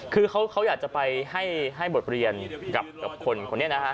คือเขาอยากจะไปให้บทเรียนกับคนคนนี้นะฮะ